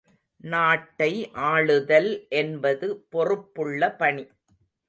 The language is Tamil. நாட்டை ஆளுதல் என்பது பொறுப்புள்ள பணி.